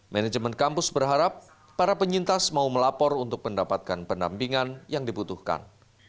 manajemen kampus berharap para penyintas mau melapor untuk mendapatkan pendampingan yang dibutuhkan